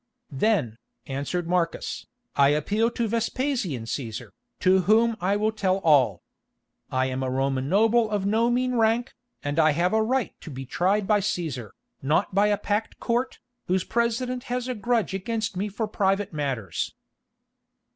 "Then," answered Marcus, "I appeal to Vespasian Cæsar, to whom I will tell all. I am a Roman noble of no mean rank, and I have a right to be tried by Cæsar, not by a packed court, whose president has a grudge against me for private matters."